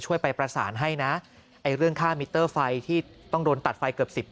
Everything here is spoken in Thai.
ไปประสานให้นะไอ้เรื่องค่ามิเตอร์ไฟที่ต้องโดนตัดไฟเกือบสิบ